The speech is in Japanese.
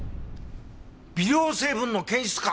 微量成分の検出か。